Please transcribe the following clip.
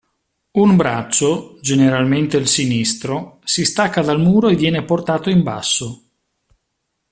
Un braccio, generalmente il sinistro, si stacca dal muro e viene portato in basso.